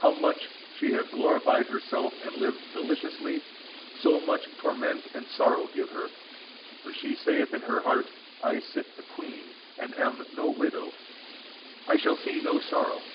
How much she hath glorified herself, and lived deliciously, so much torment and sorrow give her: for she saith in her heart, I sit a queen, and am no widow, and shall see no sorrow.